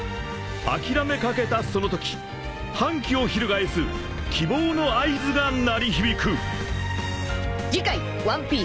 ［諦めかけたそのとき反旗を翻す希望の合図が鳴り響く！］